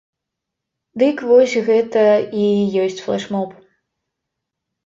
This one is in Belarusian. Дык вось гэта і ёсць флэш-моб.